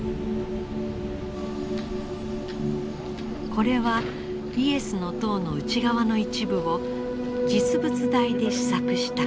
これはイエスの塔の内側の一部を実物大で試作した壁。